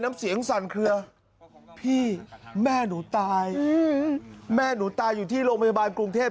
น้ำเสียงสั่นเคลือพี่แม่หนูตายแม่หนูตายอยู่ที่โรงพยาบาลกรุงเทพ